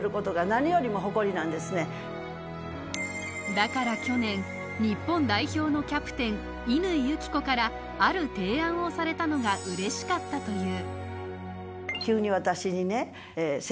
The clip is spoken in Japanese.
だから去年、日本代表のキャプテンイン・乾友紀子からある提案をされたのがうれしかったという。